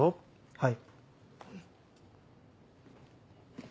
はい。